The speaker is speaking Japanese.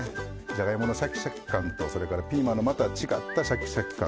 じゃがいものシャキシャキ感とそれからピーマンのまた違ったシャキシャキ感ですね。